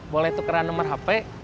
boleh tukeran nomor hp